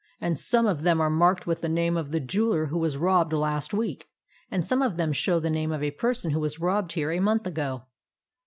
And some of them are marked with the name of the jeweller who was robbed last week, and some of them show the name of a person who was robbed here a month ago."